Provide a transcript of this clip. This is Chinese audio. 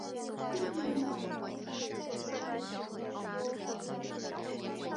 莱恩同时也是大联盟史上唯一一个被轰出十支满贯全垒打的投手。